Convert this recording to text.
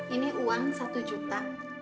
ini uang satu juta